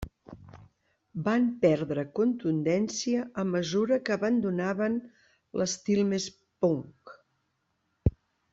Van perdre contundència a mesura que abandonaven l'estil més punk.